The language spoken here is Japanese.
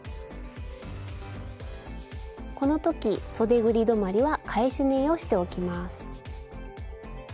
この時そでぐり止まりは返し縫いをしておきます。